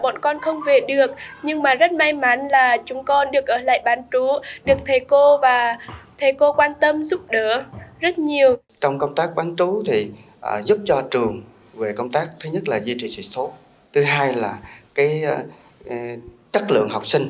thứ hai là chất lượng học sinh